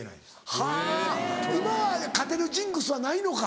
はぁ今は勝てるジンクスはないのか？